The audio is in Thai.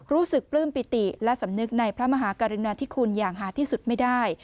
ปลื้มปิติและสำนึกในพระมหากรุณาธิคุณอย่างหาที่สุดไม่ได้